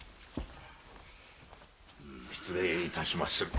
失礼いたしまする。